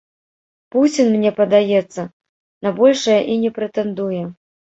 Пуцін, мне падаецца, на большае і не прэтэндуе.